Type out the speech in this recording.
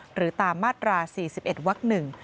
หรือตามมาตรา๔๑วักหนึ่ง